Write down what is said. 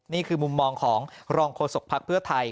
นี่คือมุมมองของรองโฆษกภักดิ์เพื่อไทย